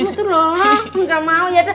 kamu tuh loh enggak mau ya